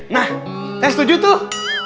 nah saya setuju tuh